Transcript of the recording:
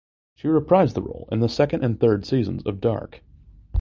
She reprised the role in the second and third seasons of "Dark".